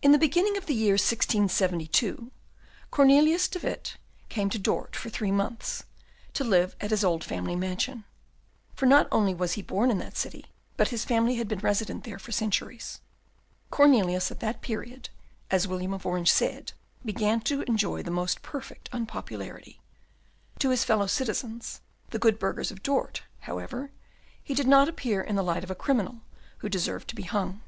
In the beginning of the year 1672, Cornelius de Witt came to Dort for three months, to live at his old family mansion; for not only was he born in that city, but his family had been resident there for centuries. Cornelius, at that period, as William of Orange said, began to enjoy the most perfect unpopularity. To his fellow citizens, the good burghers of Dort, however, he did not appear in the light of a criminal who deserved to be hung.